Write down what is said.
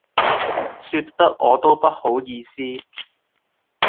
說得我都不好意思